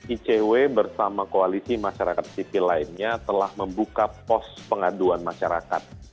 icw bersama koalisi masyarakat sipil lainnya telah membuka pos pengaduan masyarakat